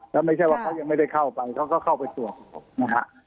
แล้วไม่ใช่ว่าเขายังไม่ได้เข้าไปเขาก็เข้าไปตรวจนะฮะ